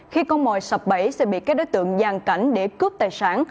khi con mòi sập bẫy sẽ bị các đối tượng dàn cảnh để cướp tài sản